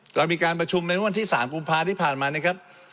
เรามีการประชุมในเมื่อวันที่๓กุมภาที่ผ่านมานะครับ